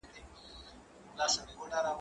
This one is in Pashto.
زه به اوږده موده ليکنه کړې وم؟!